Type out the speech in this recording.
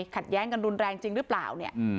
ขัดแย้งกันรุนแรงจริงหรือเปล่าเนี่ย